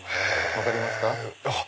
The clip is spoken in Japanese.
分かりますか？